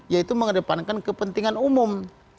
yaitu mengedepankan kepentingan umum